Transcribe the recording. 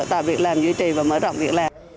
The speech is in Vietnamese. tạo việc làm duy trì và mở rộng việc làm